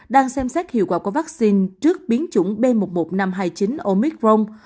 đang xem xét hiệu quả của vaccine trước biến chủng b một một năm trăm hai mươi chín omicron